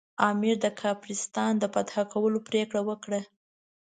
امیر د کافرستان د فتح کولو پرېکړه وکړه.